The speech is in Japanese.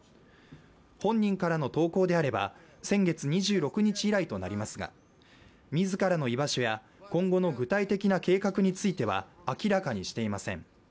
本人からの投稿であれば先月２６日以来となりますが自らの居場所や今後の具体的な計画については明らかにしていません。